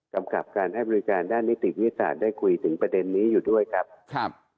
กำกับการให้บริการด้านนิติวิทยาศาสตร์ได้คุยถึงประเด็นนี้อยู่ด้วยครับครับ